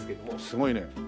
すごいね。